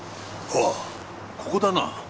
ああここだな。